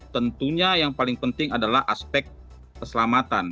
tentunya yang paling penting adalah aspek keselamatan